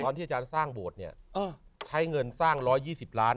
ที่อาจารย์สร้างโบสถ์เนี่ยใช้เงินสร้าง๑๒๐ล้าน